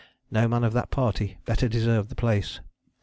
No man of that party better deserved his place.